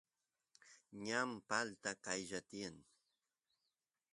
ñan palta qaylla tiyan